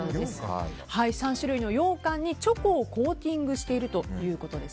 ３種類のようかんにチョコをコーティングしているということです。